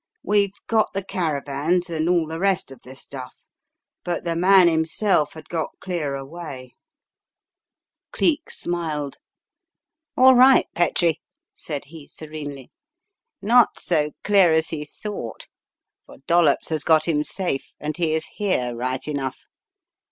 "We've got the cara vans and all the rest of the stuff, but the man himself had got clear away." An Unexpected Contretemps 293 Cleek smiled. "All right, Petrie," said he, serenely. "Not so clear as he thought, for Dollops has got him safe and he is here, right enough.